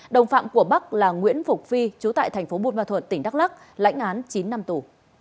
đồng phạm của bắc là nguyễn phục phi chú tại thành phố bùn văn thuận tỉnh đắk lắc lãnh án chín năm tù